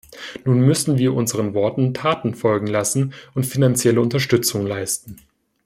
Nun müssen wir unseren Worten Taten folgen lassen und finanzielle Unterstützung leisten.